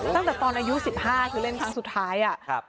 ตั้งแต่ตอนอายุสิบห้าคือเล่นครั้งสุดท้ายอ่ะครับ